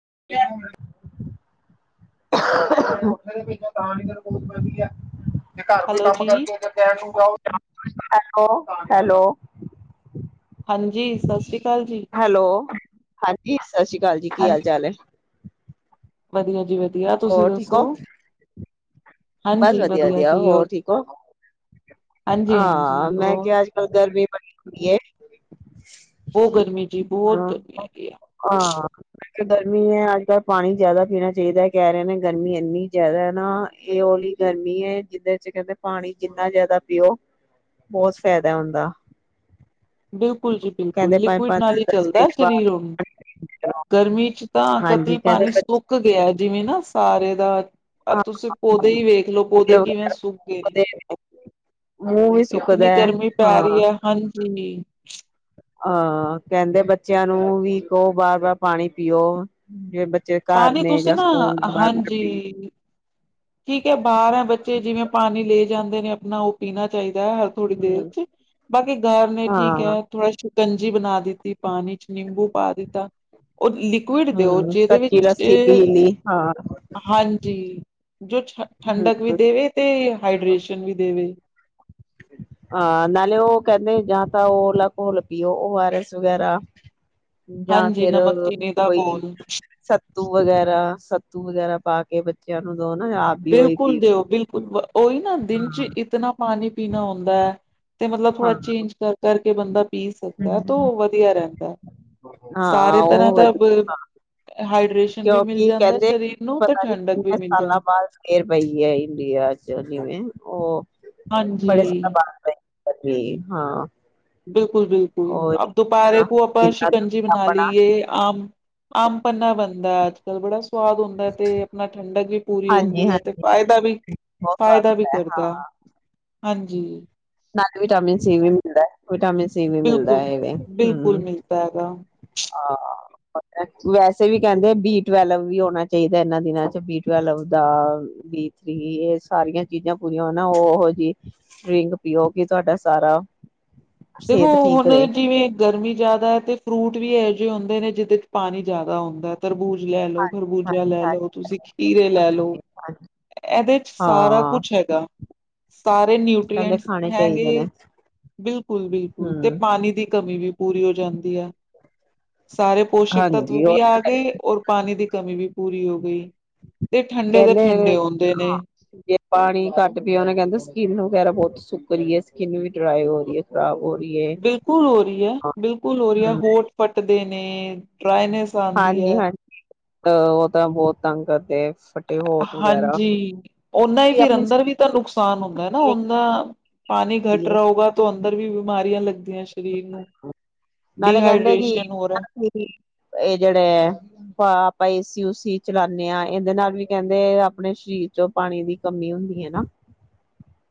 [inaudible] [unintelligible] ਜੇ ਘਰ ਕੋਈ ਹੈਲੋ ਕੰਮ ਜੀ, ਕਰਕੇ ਤੇ [inaudible] ਹੈਲੋ, ਹੈਲੋ। ਹਾਂਜੀ ਸਤਿ ਸ੍ਰੀ ਅਕਾਲ ਜੀ। ਹੈਲੋ ਹਾਂਜੀ ਸਤਿ ਸ੍ਰੀ ਅਕਾਲ ਜੀ, ਕੀ ਹਾਂ ਹਾਲ-ਚਾਲ ਹੈ। ਵਧੀਆ ਜੀ ਵਧ ਵਧੀਆ ਤੁਸੀਂ ਹੋਰ ਠੀਕ ਦੱਸੋ। ਹੋ ਬਸ ਹਾਂਜੀ ਵਧੀਆ ਵਧੀਆ ਜੀ, ਹੋਰ ਔਰ ਠੀਕ ਹੋ। ਹਾਂ, ਹਾਂਜੀ-ਹਾਂਜੀ ਮੈਂ ਹੋਰ ਕਿਹਾ ਅੱਜ ਕੱਲ ਗਰਮੀ- [unintelligible] ਬਹੁਤ ਗਰਮੀ ਜੀ। ਬਹੁਤ ਗਰਮੀ ਹੈਗੀ ਹੈ। ਏ ਗਰਮੀ ਹੈ। ਅੱਜ ਕੱਲ ਪਾਣੀ ਜਿਆਦਾ ਪੀਣਾ ਚਾਹੀਦਾ। ਕਹਿ ਰਹੇ ਨੇ ਗਰਮੀ ਇੰਨੀ ਜ਼ਿਆਦਾ ਹੈ ਨਾ। ਏ ਓਲੀ ਗਰਮੀ ਹੈ, ਜਿਹਦੇ ਚ ਕਹਿੰਦੇ ਪਾਣੀ ਜਿੰਨਾ ਜ਼ਿਆਦਾ ਪੀਓ ਬਹੁਤ ਫਾਇਦਾ ਹੁੰਦਾ। ਬਿਲਕੁਲ ਜੀ ਬਿਲਕੁਲ ਕਹਿੰਦੇ ਪੰਜ ਲਿਕੁਇਡ ਪੰਜ ਨਾਲ ਦਸ ਹੀ ਦਸ ਚੱਲਦਾ ਮਿੰਟ ਸਰੀਰ ਹੁਣ। ਬਾਅਦ ਗਰਮੀ ਚ ਤਾਂ ਹਾਂਜੀ ਧਰਤੀ ਕਹਿੰਦੇ ਪਾਣੀ ਬੱਚ ਸੁੱਕ ਗਿਆ। ਜਿਵੇਂ ਨਾ ਸਾਰੇ ਦਾ ਏ ਹਾਂ ਤੁਸੀਂ ਪੌਦੇ ਹੀ ਵੇਖ ਲਓ ਫੁੱਲ ਪੌਦੇ ਕਿਵੇਂ ਵਗੈਰਾ ਸੁੱਕ ਗਏ ਨੇ। ਉਹਦੇ ਮੂੰਹ ਵੀ ਸੁੱਕਦਾ ਇਤਨੀ ਹੈ ਗਰਮੀ ਪੈ ਹਾਂ ਰਹੀ ਹੈ। ਹਾਂਜੀ- [inaudible] ਆਂ ਕਹਿੰਦੇ ਬੱਚਿਆਂ ਨੂੰ ਵੀ ਕਹੋ, ਬਾਰ ਬਾਰ ਪਾਣੀ ਪੀਓ। ਜ- ਪਾਣੀ ਤੁਸੀਂ ਨਾ- ਪੀ ਹਾਂਜੀ। ਠੀਕ ਹੈ, ਬਾਰਾਂ ਬੱਚੇ ਜਿਵੇਂ ਪਾਣੀ ਲੈ ਕਹਿੰਦੇ ਨੇ ਆਪਣਾ ਉਹ ਪੀਣਾ ਚਾਹੀਦਾ। ਕਿਆ ਹੈ ਥੋੜੀ ਦੇਰ ਹਮ ਚ 'ਬਾਕੀ ਗਰ ਨੇ ਠੀਕ ਹਾਂ ਹੈ ਥੋੜਾ- ਕੰਜੀ ਬਣਾ ਦਿੱਤੀ। ਪਾਣੀ ਚ ਨਿੰਬੂ ਪਾ ਦਿੱਤਾ। ਉਹ ਲਿਕੁਇਡ ਦਿਓ ਹਮ ਜਿਹਦੇ ਕੱਚੀ ਵਿੱਚ ਲੱਸੀ ਪੀ ਤੇ ਲਈ ਹਾਂ ਹਾਂਜੀ। ਜਿਚ ਹਮ ਠੰਡਕ ਵੀ ਦੇਵੇ ਤੇ ਹਾਈਡਰੇੇਸ਼ਨ ਵੀ ਦੇਵੇ। [inaudible] ਹਾਂ ਨਾਲੇ ਉਹ ਕਹਿੰਦੇ, ਜਾਂ ਤਾਂ ਓਲਾ ਘੋਲ ਪੀਓ ਓ ਆਰ ਐਸ ਵਗੈਰਾ। ਜਾਂ ਹਾਂਜੀ ਫਿਰ ਨਮਕ ਚੀਨੀ ਦਾ ਕੋਈ ਘੋਲ ਸ ਸੱਤੂ ਵਗੈਰਾ। ਸੱਤੂ ਵਗੈਰਾ ਪਾ ਕੇ ਬੱਚਿਆਂ ਨੂੰ- ਦੋ ਨਾ ਆਪ ਵੀ ਉਹੀ ਬਿਲਕੁਲ ਪੀਓ ਦਿਓ। ਬਿਲਕੁਲ, ਉਹੀ ਨਾ ਦਿਨ ਹਾਂ ਚ ਇਤਨਾ ਪਾਣੀ- ਪੀਣਾ ਹੁੰਦਾ ਏ। ਤੇ ਮਤਲਬ ਥੋੜਾ ਹਾਂ ਚੇਂਜ ਕਰ ਕਰ- [unintelligible] ਪੀ ਸਕਦਾ ਤੋ ਉਹ ਵਧੀਆ ਰਹਿੰਦਾ। ਹਾਂ ਸਾਰੇ ਤਰ੍ਹਾਂ ਉਹ ਦਾ ਵਧੀਆ ਵੀ---ਹਾਈ ਰੇਸ਼ਨ ਵੀ ਮਿਲ ਕਿਉਂਕਿ ਜਾਂਦਾ ਕਹਿੰਦੇ ਸਰੀਰ ਨੂੰ, ਤੇ ਠੰਡਕ ਵੀ ਮਿਲ ਜਾਂਦੀ। ਏਅਰ ਪੀਈ ਹੈ ਇੰਡੀਆ 'ਚ ਜਿਵੇਂ ਉਹ- [unintelligible] ਹਾਂਜੀ ਆਪਣੀ- ਹਾਂ। [inaudible] ਬਿਲਕੁਲ ਬਿਲਕੁਲ ਉਹ ਅਬ ਦੁਪਰੇ ਕੋ ਆਪਾਂ ਜਿੱਦਾਂ ਸ਼ਿਕੰਜੀ ਬਣਾ ਆਪਣਾ ਲਈਏ। ਆਮ ਆਮ ਪੰਨਾ ਬਣਦਾ ਅੱਜ ਕੱਲ ਬੜਾ ਸਵਾਦ ਹੁੰਦਾ। ਤੇ ਆਪਣਾ ਠੰਡਕ ਵੀ- ਪੂਰੀ ਹਾਂਜੀ ਹੁੰਦੀ ਹੈ ਤੇ ਹਾਂਜੀ ਫਾਇਦਾ ਵੀ ਬਹੁਤ ਸਵਾਦ ਫਾਇਦਾ ਵੀ ਹੁੰਦਾ ਹੈ ਕਰਦਾ ਹਾਂ ਹਾਂਜੀ ਨਾਲ ਵਿਟਾਮਿਨ ਸੀ ਵੀ ਮਿਲਦਾ ਹੈ ਵਿਟਾਮਿਨ ਸੀ ਵੀ ਮਿਲਦਾ ਬਿਲਕੁਲ ਹੈਵੇ ਬਿਲਕੁਲ ਹਮ ਮਿਲਦਾ ਹੈਗਾ ਹਾਂ ਵੈਸੇ ਵੀ ਕਹਿੰਦੇ ਬੀ ਟਵੈਲਵ ਵੀ ਹੋਣਾ ਚਾਹੀਦਾ ਇਹਨਾਂ ਦਿਨਾਂ ਚ ਬੀ ਟਵੈਲਵ ਦਾ ਬੀ ਥ੍ਰੀ ਇਹ ਸਾਰੀਆਂ ਚੀਜ਼ਾਂ ਪੂਰੀਆਂ ਹਨ ਉਹੋ ਜਿਹੀ ਰਿੰਗ ਪੀਓ ਕਿ ਤੁਹਾਡਾ ਸਾਰਾ ਦੇਖੋ ਸਿਹਤ ਠੀਕ ਹੁਣ ਰਹੇ। ਜਿਵੇਂ ਗਰਮੀ ਜ਼ਿਆਦਾ ਹੈ ਤੇ ਫਰੂਟ ਵੀ ਹੈ ਹੁੰਦੇ ਨੇ ਜਿਹਦੇ ਚ ਪਾਣੀ ਜ਼ਿਆਦਾ ਹੁੰਦਾ ਹੈ ਤਰਬੂਜ਼ ਜ ਲੈ ਲਓ, ਖਰਬੂਜਾ ਲੈ ਲਓ, ਤੁਸੀਂ ਖੀਰੇ ਲੈ ਲੋ। ਐਹਦੇ ਚ ਸਾਰਾ ਹਾਂ, ਕੁਛ ਹੈਗਾ। ਸਾਰੇ ਕਹਿੰਦੇ ਨਿਊਟਰੀਐਂਟਸ ਖਾਣੇ ਚਾਹੀਦੇ ਨੇ ਹੈਗੇ ਬਿਲ ਬਿਲਕੁਲ ਤੇ ਹੂੰ। ਪਾਣੀ ਦੀ ਕ ਮੀ ਵੀ ਪੂਰੀ ਹੋ ਜਾਂਦੀ ਆ। ਸਾਰੇ ਪੋਸ਼ਕ ਤੱਤਵ ਹਾਂਜੀ, ਵੀ ਉਹ ਆ ਗਏ, ਔਰ ਪਾਣੀ ਦੀ ਕਮੀ ਵੀ ਪੂਰੀ ਹੋ ਗਈ। ਤੇ ਠੰਡੇ ਦੇ ਕਹਿੰਦੇ ਠੰਡੇ ਅ ਹੁੰਦੇ ਨੇ। ਵੀ ਆ ਪਾਣੀ ਘੱਟ ਪੀਓ ਨਾ ਕਹਿੰਦੇ ਸਕਿਨ ਵਗੈਰਾ ਬਹੁਤ ਸੁੱਕ ਰਹੀ ਐ, ਸਕਿਨ ਵੀ ਡਰਾਈ ਹੋ ਰਹੀ ਐ, ਖਰਾਬ ਬਿਲਕੁਲ ਹੋ ਰਹੀ ਐ, ਬਿਲਕੁਲ ਹੋ ਰਹੀ ਐ ਹੋਂਠ ਫੱਟਦੇ ਨੇ ਨੇ ਡਰਾਈਨੈਸ ਆਂਦੀ ਐ। ਅ ਉਹ ਤਾਂ ਬਹੁਤ ਤੰਗ ਕਰਦੇ। ਫਟੇ ਅ ਹੋਟ ਵਗੈਰਾ। ਹਾਂਜੀ, ਓਨਾਂ ਈ ਫਿਰ ਆਪਣੀ ਅੰਦਰ ਵੀ ਤਾਂ ਨੁਕਸਾਨ ਹੁੰਦਾ ਐ ਨਾ। ਸਕਿਨ ਓਨਾਂ ਪਾਣੀ ਘੱਟ ਰਿਹਾ ਹੋਗਾ ਤੋ ਅੰਦ ਦਰ ਵੀ ਬਿਮਾਰੀਆਂ ਲੱਗਦੀਆਂ ਸ਼ਰੀਰ ਨੂੰ। ਨਾਲੇ ਕਹਿੰਦੇ ਕਿ ਡੀਹਾਈਡ੍ਰੇਸ਼ਨ ਹੋ ਰਿਹਾ ਇਹ ਜੇੜੇ ਅ ਪਾ ਆਪਾਂ ਏਸੀ ਉਸੀ ਚਲਾਨੇ ਆਂ, ਇੰਦੇ ਨਾਲ ਵੀ ਕਹਿੰਦੇ, ਆਪਣੇ ਸ਼ਰੀਰ ਚੋਂ ਪਾਣੀ ਦੀ ਕਮੀ ਹੁੰਦੀ ਐ ਨਾ।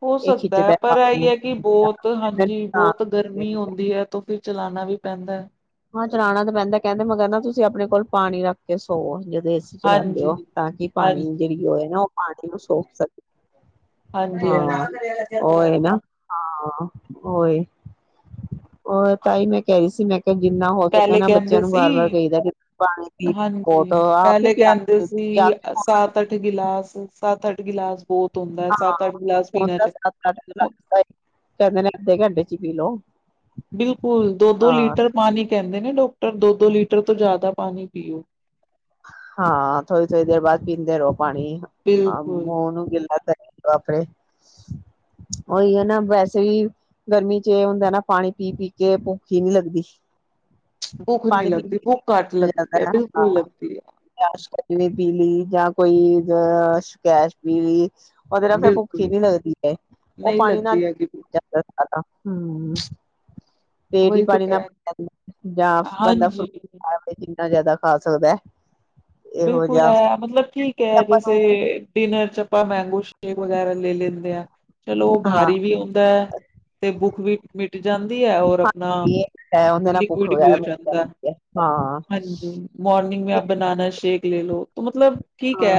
ਹੋ ਇਹ ਸਕਦਾ ਐ। ਖਿੱਚਦਾ ਪਰ ਪਾਣੀ ਏਈ ਐ ਕਿ ਬਹੁਤ ਹਾਂਜੀ ਬਹੁਤ ਗਰਮੀ ਹੁੰਦੀ ਹੈ, ਤੋ ਫਿਰ ਚਲਾਣਾ ਵੀ ਪੈਂਦਾ ਐ। ਹਾਂ ਚਲਾਣਾ ਤਾਂ ਪੈਂਦਾ। ਕਹਿੰਦੇ ਮਗਰ ਨਾ ਤੁਸੀਂ ਆਪਣੇ ਕੋਲ ਪਾਣੀ ਰੱਖ ਕੇ ਸੌਵੋ, ਜ ਦੋਂ ਏਸੀ ਚਲਾਂਦੇ ਹਾਂਜੀ ਓ। ਤਾਂ ਕਿ ਪਾਣੀ ਦੀ ਹਾਂਜੀ ਜਿਹੜੀ ਓਹ ਏ ਨਾ ਓਹ ਪਾਣੀ ਨੂੰ ਸੌਖ ਸਕੇ। ਹਾਂਜੀ ਹਾਂ। ਹਾਂਜੀ ਓ ਏ ਨਾ। ਓ ਈ। ਓ ਏ ਤਾਂਈ ਮੈਂ ਕਹਿ ਰਹੀ ਸੀ, ਮੈਂ ਕਿ ਜਿੰਨਾ ਹੋ ਸਕੇ ਪਹਿਲੇ ਨਾ, ਬੱਚਿਆਂ ਕਹਿੰਦੇ ਨੂੰ ਸੀ ਵਾਰ ਵਾਰ ਕਈਦਾ ਕਿ ਪਾਣੀ ਪੀ ਬਹੁਤ ਹਾਂਜੀ ਆਪ ਵੀ ਪਹਿਲੇ ਕਹਿੰਦੇ ਪਿਆਸ ਲੱਗਦੀ ਸੀ, ਪਿਆਸ ਸੱਤ ਅੱਠ ਗਿਲਾਸ ਸੱਤ ਅੱਠ ਗਿਲਾਸ ਬੋਤ ਹਾਂ ਹੁਣ ਸੱਤ ਅੱਠ ਗਿਲਾਸ ਤਾ, ਕਹਿੰਦੇ ਨੇ ਅੱਧੇ ਘੰਟੇ ਚ ਪੀ ਲੋ। ਬਿਲਕੁਲ ਦੋ ਦੋ ਲੀਟਰ ਪਾਣੀ ਕਹਿੰਦੇ ਨੇ ਡੋਕ ਦੋ ਦੋ ਲੀਟਰ ਤੋਂ ਜ਼ਿਆਦਾ ਪਾਣੀ ਪੀਓ। ਹਾਂ ਥੋੜੀ-ਥੋੜੀ ਦੇਰ ਬਾਅਦ ਪੀਂਦੇ ਰੋ। ਪਾਣੀ ਅ ਬਿਲਕੁਲ ਮੂੰਹ ਨੂੰ ਗਿੱਲਾ ਕਰੀ ਆਪਣੇ ਉਹੀ ਹੈ ਨਾ ਵੈਸੇ ਹੀ ਗਰਮੀ ਚ ਏ ਹੁੰਦਾ ਨਾ ਪਾਣੀ ਪੀ ਪੀ ਕੇ ਪੁਖ ਨਹੀ ਲੱਗਦੀ। ਭੁੱਖ ਨੀ ਪਾਣੀ ਪੀ ਲੱਗਦੀ ਭੁੱਖ ਘੱਟ ਲੱਗਦੀ ਹੈ, ਬਿਲਕੁਲ ਲੱਗਦੀ ਨੀ [unintelligible] ਸਕੰਜਵੀ ਪੀਲੀ ਜਾਂ ਕੋਈ ਸਕੈਸ਼ ਪੀਲੀ ਓਹਦੇ ਹੈ ਨਾਲ ਫਿਰ ਬਿਲਕੁਲ ਭੁੱਖੀ ਨੀ ਲੱਗਦੀ ਹੈ ਉਹ ਨਹੀਂ ਪਾਣੀ ਨਾਲ ਲੱਗਦੀ ਹੈਗੀ ਹੈਨਾ ਹਮ ਪੇਟ ਹੀ ਵਹੀ ਤਾਂ ਪਾਣੀ ਨਾਲ ਕਹਿ ਪਰ ਜੰਦਾ ਯ ਬਣਦਾ ਹਾਂਜੀ। ਫਰੂਟ ਖਵੇ ਕਿੰਨਾ ਜ਼ਿਆਦਾ ਹਾਂ ਚਲਦਾ [inaudible] ਬਿਲਕੁਲ ਹੈ ਮਤਲਬ ਠੀਕ ਹੈ ਆਪਾਂ ਜੈਸੇ ਨੂੰ ਡਿਨਰ ਚ ਅਪਾ ਮੰਗੋ ਸ਼ਕ ਵਗੈਰਾ ਲੈ ਲੈਂਦੇ ਆ ਚਲੋ ਹਾਂ ਬਾਰੀ ਵੀ ਆਉਂਦਾ ਹੈ ਤੇ ਬੁੱਖ ਵੀ ਮੀਟ ਜਾਂਦੀ ਹੈ ਔਰ ਆਪਣਾ ਹਾਂਜੀ ਇਹ ਤਾਂ ਹੈ ਉਹਦੇ ਨਾਲ ਭੁੱਖ ਲਿਕਵਿਦ ਵੀ ਹੋ ਵਗੈਰਾ ਮਿਟ ਜਾਂਦਾ ਹੈ। ਜਾਂਦੀ ਹਾਂ। ਹਾਂਜੀ ਮੋਰਨਿੰਗ ਮੈਂ ਬਨਾਨਾ ਸ਼ ਸ਼ਕੇ ਲੈ ਲੋ ਮਤਲਬ ਹਾਂ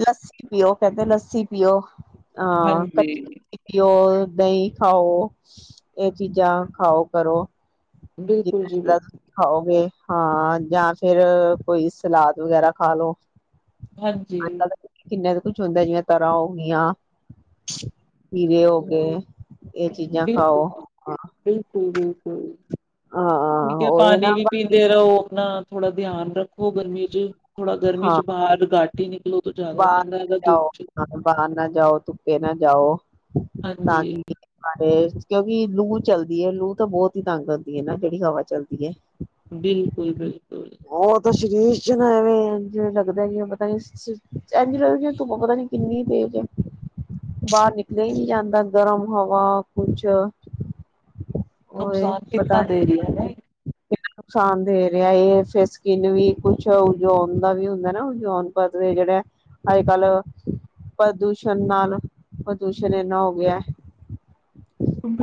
ਲੱਸੀ ਪੀਓ, ਕਹਿੰਦੇ ਲੱਸੀ ਪੀਓ। ਹਾਂ ਕੱਚੀ ਲੱਸੀ ਪੀਓ। ਦਹੀਂ ਖਾਓ ਇਹ ਚੀਜ਼ਾਂ ਖਾਓ ਕਰੋ। [unintelligible] ਖਾਓਗੇ ਹਾਂ ਜਾਂ ਫਿਰ ਕੋਈ ਸਲਾਦ ਵਗੈਰਾ ਖਾ ਲੋ। ਹਾਂਜੀ। ਅੱਜ ਕੱਲ ਕਿੰਨਾ ਕੁਛ ਹੁੰਦਾ ਜਿਆਂ ਤਰ੍ਹਾਂ ਹੋ ਗਈਆਂ ਵੀਰੇ ਹੋ ਗਏ ਇਹ ਚੀਜ਼ਾਂ ਖਾਓ ਹਾ। ਹਮ। ਠੀਕ ਹੈ ਨਾ ਪਾਣੀ ਵੀ ਬਾਕੀ ਪੀਂਦੇ ਰਹੋ ਆਪਨਾ ਥੋੜਾ ਧਿਆਨ ਰੱਖੋ ਗਰਮੀ ਚ ਥੋੜਾ ਗਰਮੀ ਚ ਹਾਂ ਬਾਹਰ ਘਾਟ ਹੀ ਨਿਕਲੋ ਜ਼ਿਆਦਾ ਬਾਹਰ ਚੰਗਾ ਹੈਗਾ ਨਾ ਧੁੱਪ ਜਾਓ ਚ ਹ ਬਾਹਰ ਨਾ ਜਾਓ ਧੁੱਪੇ ਨਾ ਜਾਓ ਤਾਂ ਹਾਂਜੀ ਕਿ ਤੇ ਕਿਉਂਕਿ ਲੂ ਚਲਦੀ ਹੈ ਲੂ ਤਾਂ ਬਹੁਤ ਹੀ ਤੰਗ ਹੁੰਦੀ ਹੈ ਨਾ ਜਿਹੜੀ ਹਵਾ ਚਲਦੀ ਹੈ। ਬਿਲਕਲ। ਉਹ ਤਾਂ ਸਰੀਰ ਚ ਨਾ ਐਵੇਂ ਅੰਜ ਲੱਗਦਾ ਜਵੇ ਤੁਪ ਪਤਾ ਨੀ ਕਿੰਨੀ ਤੇਜ਼ ਹੈ ਬਾਹਰ ਨਿਕਲਿਆ ਹੀ ਨ ਜਾਂਦਾ ਗਰਮ ਹਵਾ ਕੁਛ ਓਏ ਨੁਕਸਾਨ ਕਿਤਨਾ ਪਤਾ ਨੀ ਦੇਰੀ ਹੈ ਨਹੀਂ। ਨੁਕਸਾਨ ਦੇ ਰਿਹਾ ਇਹ ਫੇ ਸਕਿਨ ਵੀ ਕੁਛ [unintelligible] ਦਾ ਵੀ ਹੁੰਦਾ ਨਾ [unintelligible] ਪਧ ਜਿਹੜਾ ਅੱਜ ਕੱਲ ਪ੍ਰਦੂਸ਼ਣ ਨਾਲ ਪ੍ਰਦੂਸ਼ਣ ਇਨਾ ਹੋ ਗਿਆ।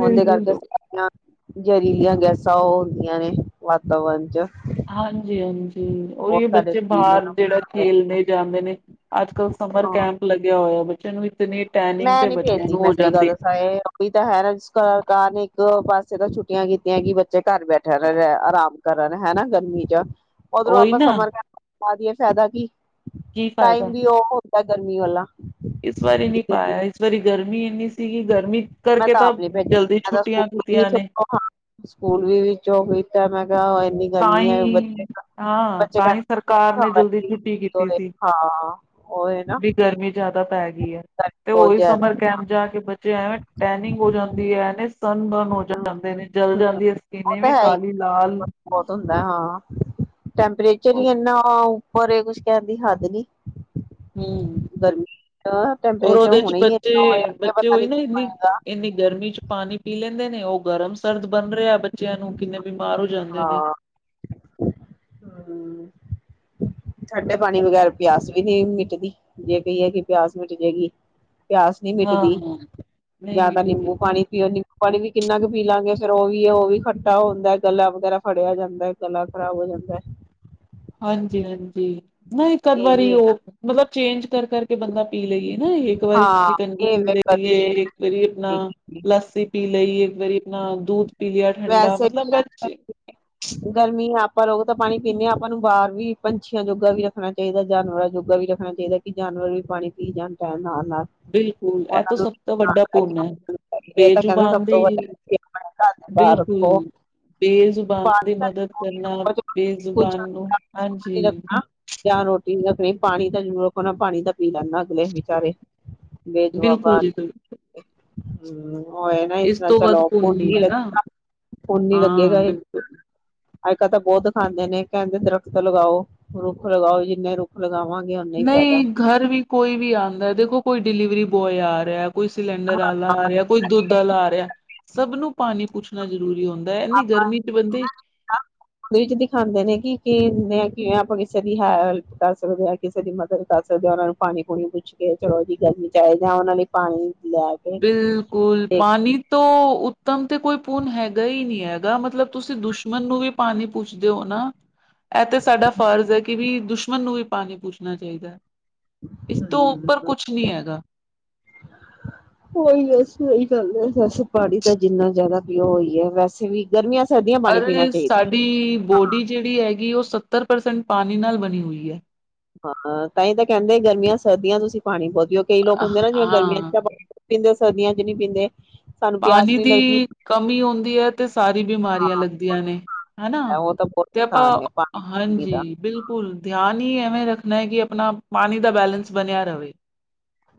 ਔਂਦੇ ਕਰਕੇ ਸਾਰੀਆ ਜਰੀਲੀਆਂ ਗੈਸਾਂ ਔ ਹੁੰਦੀਆਂ ਨੇ। ਵਾਤਾਵਰਨ ਚ ਹਾਂਜੀ ਹਾਂਜੀ। ਬਹੁਤ ਔਹੀ ਸਾਡੇ ਬੱਚੇ ਸਰੀਰ ਨੂੰ ਬਾਰ ਜਿਹੜਾ ਖੇਲਣੇ ਜਾਂਦੇ ਨੇ, ਅੱਜ ਕਲ ਸਮਰ ਹਾਂ ਕੈਂਪ ਲੱਗਿਆ ਹੋਇਆ, ਚਲੋ। ਮੈਂ ਨੀ ਭੇਜਦੀ ਮੈਂ ਸਹੀ ਗੱਲ ਦੱਸਾਂ ਇਹ ਵੀ ਤਾਂ ਹੈ ਨਾ ਜਿਸ ਕਾਰਨ। [unintelligible] ਜਦੋ ਛੁੱਟੀਆਂ ਕੀਤੀਆਂ ਕਿ ਬੱਚੇ ਘਰ ਬੈਠਣ ਆਰਾਮ ਕਰਨ ਹੇਨਾ ਗਰਮੀ ਚ ਉਧਰੋਂ ਉਹੀ ਆਪਾਂ ਨਾ ਸਮਰ ਕੈਮ ਪਾ ਦੀਏ ਫਾਇਦਾ ਕੀ? ਕੀ ਟਾਈਮ ਫਾਇਦਾ ਵੀ ਔਹ ਗਰਮੀ ਵਾਲਾ ਇਸ ਵਾਰੀ ਨੀ ਪਾਇਆ ਇਸ ਵਾਰੀ ਗਰਮੀ ਏਨੀ ਸੀ। ਮੈਂ ਤਾਂ ਆਪ ਨੀ ਭੇਜਿਆ ਮੈਂ ਤਾਂ ਛੁੱਟੀਆਂ ਸਕੂਲ ਕੀਤੀਆਂ ਨੇ [unintelligible] ਸਕੂਲ ਵੀ ਵਿੱਚੋਂਹੀ ਤਾਂ ਮੈਂ ਕਿਹਾ ਇੰਨੀ ਤਾਂ ਗਰਮੀ ਹੈ ਹੀ, ਬੱਚੇ ਹਾਂ, ਬੱਚੇ ਤਾਂ ਹੀ ਸਰਕਾਰ ਨੇ ਜਲਦੀ ਛੁੱਟੀ ਕੀਤੀ ਕਹਿੰਦੇ ਸੀ ਹਾਂ ਉਹ ਨਾ ਵੀ ਗਰਮੀ ਜ਼ਿਆਦਾ ਪੈਗ ਤੇ ਬਹੁਤ ਔਹੀ ਜ਼ਿਆਦਾ ਸਮਰ ਕੈਂਪ ਜਾ ਕੇ ਬੱਚੇ ਐਵੇਂ ਟੈਨਿੰਗ ਹੋ ਜਾਂਦੀ ਏ ਸਨਬਰਨ ਹੋ ਜਾਂਦੇ ਨੇ, ਜਲ ਜਾਂਦੀ ਹੈ। ਉਹ ਤਾਂ ਐਵੇਂ ਹੈ ਹੀ ਕਾਲੀ, ਲਾਲ। ਬਹੁਤ ਹੁੰਦਾ ਹਾਂ। ਟੈਂਪਰੇਚਰ ਹੀ ਇੰਨਾ ਪਰ ਏ ਕੁੱਝ ਕਹਣ ਦੀ ਹੱਦ ਨੀ। ਹੁੰ ਗਰਮੀ ਔਰ ਟੈਂਪਰੇਚਰ ਔਦੇ ਚ ਹੁਣੇ ਹੀ ਇੰਨਾ ਹੋਇਆ ਬੱਚੇ ਅੱਗੇ ਬੱਚੇ ਪਤਾ ਹੋਈ ਨੀ ਨਾ ਕੀ ਇੰਨੀ ਬਣੇਗਾ ਇੰਨੀ ਗਰਮੀ ਚ ਪਾਣੀ ਪੀ ਲੈਂਦੇ ਨੇ ਔ ਗਰਮ ਸਰਦ ਬਣ ਰਿਹਾ ਬ ਬੱਚਿਆਂ ਨੂੰ, ਕਿੰਨੇ ਬਿਮਾਰ ਹੋ ਜਾਂਦੇ ਨੇ। ਹੁੰ। ਠੰਡੇ ਪਾਣੀ ਵਗੈਰ ਪਿਆਸ ਵੀ ਨਹੀਂ ਮਿਟਦੀ, ਜੇ ਕਹੀਏ ਕਿ ਪਿਆਸ ਮਿਟ ਜਾਏਗੀ। ਪਿਆਸ ਨੀ ਹਾਂ ਮਿੱਟਦੀ ਨਹੀਂ ਜਾਂ ਤਾਂ ਮਿਟਦੀ ਨਿੰਬੂ ਪਾਣੀ ਪੀਓ, ਨਿੰਬੂ ਪਾਣੀ ਵੀ ਕਿੰਨਾ ਕੁ ਪੀ ਲਾਂਗੇ। ਫੇਰ ਉਹ ਵੀ ਹੈ, ਉਹ ਵੀ ਖੱਟਾ ਹੁੰਦਾ ਗਲਾ ਵਗੈਰਾ ਫੜਿਆ ਜਾਂਦਾ, ਗਲਾ ਖ਼ਰਾਬ ਹੋ ਜਾਂਦਾ। ਹਾਂਜੀ ਹਾਂਜੀ। ਨਹੀਂ, ਇੱਕ ਅਧ ਇਹ ਵਾਰੀ ਵੀ ਹੈ ਨਾ ਉਹ ਮਤਲਬ ਚੇਂਜ ਕਰ ਕਰਕੇ ਬੰਦਾ ਪੀ ਲਈਏ। ਨਾ ਇੱਕ ਵਾਰੀ ਚ ਹਾਂ ਸ਼ਿਕੰਜੀ ਇਹ ਪੀ ਲਈਏ, ਇੱਕ ਵਾਰੀ ਆਪਣਾ ਲੱਸੀ ਪੀ ਲਈਏ ਇੱਕ ਵਾਰੀ ਇਤਨਾ ਦੂਧ ਪੀ ਲਿਆ ਠੰਡਾ ਵੈਸੇ ਵੀ ਮਤਲਬ ਵਿੱਚ [unintelligible] ਗਰਮੀਆਂ ਆਪ ਆਪਾਂ ਲੋਕ ਤਾਂ ਪਾਣੀ ਪੀਂਦੇ ਹਾਂ ਆਪਾਂ ਨੂੰ ਬਾਹਰ ਵੀ ਪੰਛੀਆਂ ਜੋਗਾ ਵੀ ਰੱਖਣਾ ਚਾਹੀਦਾ ਜਾਨਵਰਾਂ ਜੋਗਾ ਵੀ ਰੱਖਣਾ ਚਾਹੀਦਾ ਕਿ ਜਾਨਵਰ ਵੀ ਪਾਣੀ ਪੀ ਜਾਣ ਟਾਈਮ ਨਾਲ। ਨਾਲ ਬਿਲਕੁਲ ਇਹ ਉਹਨਾਂ ਤੋਂ ਨੂੰ ਸਭ ਤੋਂ ਵੱਡਾ ਪੁੰਨ ਹੈ ਇਹ ਤਾਂ ਕਹਿੰਦੇ ਸਭ ਬੇਜ਼ੁਬਾਨ ਤੋਂ ਦੀ ਵੱਡਾ ਕਿ ਆਪਣੇ ਘਰ ਦੇ ਬਾਹਰ ਰੱਖੋ ਬਿਲਕੁਲ ਬੇਜ਼ੁਬਾਨ ਦੀ ਪਾਣੀ ਦਾ ਮਦਦ ਕਰਨਾ, ਬੇਜ਼ੁਬਾਨ ਨੂੰ ਹਾਂਜੀ ਯਾਂ ਰੋਟੀ ਨੀ ਰੱਖਣੀ ਪਾਣੀ ਤਾਂ ਜ਼ਰੂਰ ਰੱਖੋ ਨਾ ਪਾਣੀ ਤਾਂ ਪੀ ਲੈਣ ਨਾ ਅਗਲੇ ਵਿਚਾਰੇ। ਬਿਲਕੁਲ ਜੀ ਬਿਲ ਹੂੰ। ਔ ਐ ਨਾ ਇਸ ਨਾਲ ਚਲੋ ਪੁੰਨ ਨਹੀਂ ਈ ਹੈਗਾ ਲਗ ਪੁੰਨ ਈ ਹਾਂ ਲੱਗੇਗਾ ਏ ਬਿਲਕੁਲ ਅੱਜ ਕੱਲ੍ਹ ਤਾਂ ਬਹੁਤ ਦਖਾਂਦੇ ਨੇ, ਕਹਿੰਦੇ ਦਰਖਤ ਲਗਾਓ, ਰੁੱਖ ਲਗਾਓ ਜਿੰਨੇ ਰੁੱਖ ਲਗਾਵਾਂ ਨਈ ਘਰ ਵੀ ਕੋਈ ਵੀ ਆਂਦੈ, ਦੇਖੋ ਕੋਈ ਡਿਲੀਵਰੀ ਕੋਈ ਆ ਰਿਹੈ ਕੋਈ ਸਿਲੰਡਰ ਆਲਾ ਆ ਰਿਆ, ਕੋਈ ਦੁੱਧ ਆਲਾ ਆ ਰਿਹੈ ਸਭ ਨੂੰ ਪਾਣੀ ਪੁੱਛਣਾ ਜਰੂ [unintelligible] ਵਿੱਚ ਦਿਖਾਂਦੇ ਨੇ ਕਿ ਕੇ ਨੈ ਕਿਵੇਂ ਆਪਾਂ ਕਿਸੇ ਦੀ ਹੈਲਪ ਕਰ ਸਕਦੇ ਆਂ, ਕਿਸੇ ਦੀ ਮਦਦ ਕਰ ਸਕਦੇ ਆਂ। ਉਹਨਾਂ ਨੂੰ ਪਾਣੀ ਪੂਣੀ ਪੁੱਛ ਕੇ ਚਲੋ ਜੀ ਗਰਮੀ ਚ ਆਏ ਜਾਂ ਉਹਨਾਂ ਨੇ ਪਾਣੀ ਲੈ ਕੇ ਬਿਲਕੁਲ ਤੇ ਪਾਣੀ ਤੋ ਉੱ ਤਮ ਤੇ ਕੋਈ ਪੂਨ ਹੈਗਾ ਈ ਨਈ ਹੈਗਾ ਮਤਲਬ ਤੁਸੀ ਦੁਸ਼ਮਣ ਨੂੰ ਵੀ ਪਾਣੀ ਪੁੱਛਦੇ ਔ ਨਾ ਇਹ ਤੇ ਸਾਡਾ ਫਰਜ਼ ਐ ਕਿ ਵੀ ਦੁਸ਼ ਮਨ ਨੂੰ ਵੀ ਪਾਣੀ ਪੁੱਛਣਾ ਚਾਹੀਦੈ। ਇਸ ਤੋਂ ਉੱਪਰ ਕੁਛ ਨੀ ਹੈਗਾ। ਔਈ ਬਸ ਸਈ ਗੱਲ ਐ ਵੈਸੇ ਪਾਣੀ ਤਾਂ ਜਿੰਨਾ ਜ਼ਿਆਦਾ ਪੀਔ ਔਈ ਐ ਵੈਸੇ ਵੀ ਗਰਮੀਆਂ ਸਰਦੀਆਂ ਪਾਣੀ ਪਰ ਪੀਣਾ ਚਾਹੀਦਾ ਸਾਡੀ ਬੋਡੀ ਜਿਹੜੀ ਹੈਗੀ ਉਹ ਸੱ ਤਰ ਪ੍ਰਸੈਂਟ ਪਾਣੀ ਨਾਲ ਬਣੀ ਹੋਈ ਐ। ਹਾਂ ਤਾਂਈ ਤਾਂ ਕੈਂਦੇ ਗਰਮੀਆਂ-ਸਰਦੀਆਂ ਤੁਸੀਂ ਪਾਣੀ ਬੋਤ ਜੋ ਕਈ ਲੋਕ ਹੁੰਦੇ ਨਾ ਜਿਵੇਂ ਗਰਮੀਆਂ ਹਾਂ ਚ [unintelligible] ਪੀਦੇ ਸਰਦੀਆਂ ਚ ਨਈ ਪੀਂਦੇ। ਸਾਨੂੰ ਪਿਆਸ ਪਾਣੀ ਨੀ ਦੀ ਲੱਗਦੀ ਕਮੀ ਹੁੰਂਦੀ ਹੈ ਤੇ ਸਾਰੀ ਬਿਮਾਰੀਆਂ ਲੱਗਦੀਆਂ ਨੇ ਹੈਨਾ ਉਹ ਤਾਂ ਬਹੁਤ ਤੇ ਆਪਾਂ ਨੁਕਸਾਨ ਹੈ ਪਾਣੀ ਪੂਣੀ ਹਾਂਜੀ ਦਾ ਬਿਲਕੁਲ ਧਿਆਨ ਈ ਐ ਰੱਖਣਾ ਐ ਕਿ ਆਪਣਾ ਪਾਣੀ ਦਾ ਬੈਲੈਂਸ ਬੰਨਿਆ ਰਵੇ।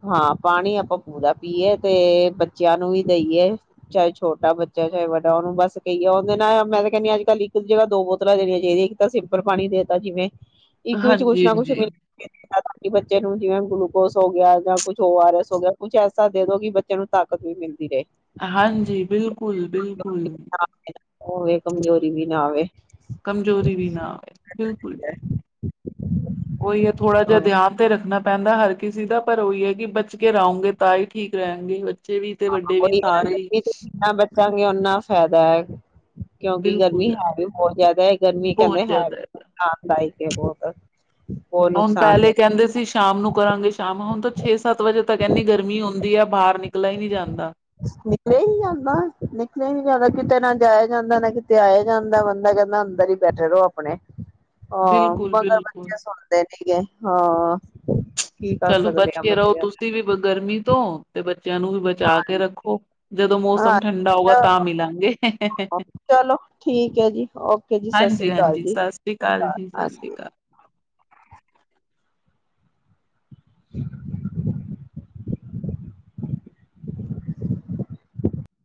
ਹਾਂ ਪਾਣੀ ਆਪਾਂ ਪੂਰਾ ਪੀਏ ਤੇ ਬੱਚਿਆਂ ਨੂੰ ਵੀ ਦੇਈਏ। ਚਾਹੇ ਛੋਟਾ ਬੱਚਾ, ਚਾਹੇ ਵੱਡਾ ਉਹਨੂੰ ਬਸ ਕਈਏ ਉਹਦੇ ਨਾਲ ਮੈਂ ਤਾਂ ਕਹਿੰਨੀ ਆਂ ਅੱਜ ਕੱਲ੍ਹ ਇੱਕ ਦੀ ਜਗ੍ਹਾ ਦੋ ਬੋਤਲਾਂ ਦੇਣੀਆਂ ਚਾਹੀਦੀਐਂ। ਇੱਕ ਤਾਂ ਸਿੰਪਲ ਪਾਣੀ ਦੇ ਤਾ ਜਿਵੇਂ ਇੱਕ ਵਿੱਚ ਕੁਛ ਹਾਂਜੀ ਨਾ ਕੁਛ ਜੀ ਮਿਲ ਕਿ ਬੱਚੇ ਨੂੰ ਜਿਵੇਂ ਗਲੂਕੋਸ ਹੋ ਗਿਆ ਜਾਂ ਕੁਛ ਔ ਆਰ ਐਸ ਹੋ ਗਿਆ ਕੁਛ ਐਸਾ ਦੇ ਦੋ ਕਿ ਬੱਚਿਆਂ ਨੂੰ ਤਾਕਤ ਵੀ ਮਿਲਦੀ ਰੇ। ਹਾਂਜੀ ਬਿਲਕੁਲ, ਬਿਲਕੁਲ। ਹੋਵੇ ਕਮਜ਼ੋਰੀ ਵੀ ਨਾ ਆਵੇ ਕਮਜ਼ੋਰੀ ਵੀ ਨਾ ਆਵੇ ਬਿਲਕੁਲ ਜੀ। ਔਈ ਐ ਥੋੜਾ ਹਾਂ ਜਿਆ ਧਿਆਨ ਤੇ ਰੱਖਣਾ ਪੈਂਦੈ ਹਰ ਕਿਸੇ ਦਾ ਪਰ ਔਈ ਐ ਕਿ ਬਚ ਕੇ ਰਉਂਗੇ ਤਾਂ ਈ ਠੀਕ ਰਹਿਣਗੇ ਬੱਚ [inaudible] ਚਾਂਗੇ ਓਨਾ ਫੈਦਾ ਕਿਉਂਕਿ ਬਿਲਕੁਲ ਗਰਮੀ ਹੈ ਵੀ ਬਹੁਤ ਜਿਆਦਾ ਐ ਗਰਮੀ ਬਹੁਤ ਕਹਿੰਦੇ ਹੈ [inaudible] ਜ਼ਿਆਦਾ ਹੈਗਾ ਕਿ ਹੋਗਾ ਹੁਣ ਪਹਿਲੇ ਕਹਿੰਦੇ ਸੀ ਸ਼ਾਮ ਨੂੰ ਕਰਾਂਗੇ, ਸ਼ਾਮ ਹੁਣ ਤਾਂ ਛੇ ਸੱਤ ਵਜੇ ਤੱਕ ਇੰਨੀਂ ਗਰਮੀ ਹੁੰਦੀ ਇਹ ਹੈ ਬਾਹਰ ਨਿਕ ਨਿਕਲਿਆ ਹੀ ਨਹੀਂ ਜਾਂਦਾ, ਨਿਕਲਿਆ ਹੀ ਨਹੀਂ ਜਾਦਾ ਕਿਤੇ ਨਾ ਜਾਇਆ ਜਾਂਦਾ, ਨਾ ਕਿਤੇ ਆਇਆ ਜਾਂਦਾ ਬੰਦਾ ਕਹਿੰਦਾ ਅੰਦਰ ਹੀ ਬੈਠੇ ਰਹੋ ਆਪਣੇ ਹਾਂ, ਬਿਲਕੁਲ ਮਗਰ ਬਿਲਕੁਲ ਬੱਚੇ ਸੁਣਦੇ ਨੀ ਗੇ ਹਾਂ ਕੀ ਕਰ ਚਲੋ ਸਕਦੇ ਬਚ ਆ ਕੇ ਰਹੋ ਬੱਚਿਆਂ ਤੁਸੀਂ ਵੀ ਗਰਮੀ ਤੋਂ ਤੇ ਬੱਚ ਬੱਚਿਆਂ ਨੂੰ ਵੀ ਬਚਾ ਕੇ ਰੱਖੋ ਜਦੋਂ ਨੂੰ, ਮੌਸਮ ਹਾਂ ਠੰਡਾ ਹੋਊਗਾ ਤਾਂ ਚਲੋ ਮਿਲਾਂਗੇ, ਚਲੋ ਠੀਕ ਹੈ ਜੀ ਓਕੇ ਜੀ ਸਤਿ ਹਾਂਜੀ ਸ੍ਰੀ ਅਕਾਲ ਹਾਂਜੀ ਜੀ ਸਤਿ ਸ੍ਰੀ ਅਕਾਲ ਜੀ, ਸਤਿ ਹਾਂਜੀ ਸ੍ਰੀ ਅਕਾਲ। [unintelligible]